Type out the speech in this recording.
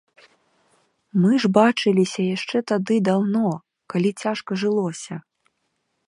Мы ж бачыліся яшчэ тады даўно, калі цяжка жылося.